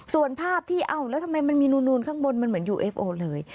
ส่วนภาพที่เอ้าแล้วทำไมมันมีนูนข้างบนมันเหมือนยูเอฟโอเลย